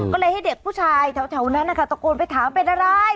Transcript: ก็เลยให้เด็กผู้ชายแถวนั้นนะคะตะโกนไปถามเป็นอะไร